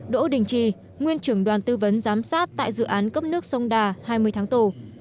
đỗ đình trì nguyên trưởng đoàn tư vấn giám sát tại dự án cấp nước sông đà hai mươi tháng tù